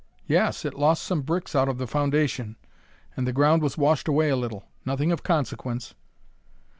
Yes; it lost some bricks out of the foundation, and the ground was washed away a little. Nothing of consequence."